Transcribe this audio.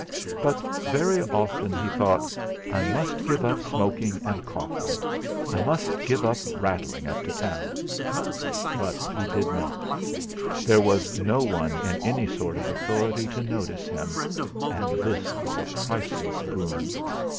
But very often he thought: 'I must give up smoking, and coffee; I must give up rattling up to town.' But he did not; there was no one in any sort of authority to notice him, and this was a priceless boon.